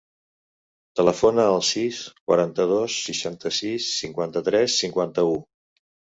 Telefona al sis, quaranta-dos, seixanta-sis, cinquanta-tres, cinquanta-u.